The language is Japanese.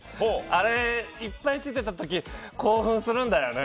あれ、いっぱいついてた時興奮するんだよね。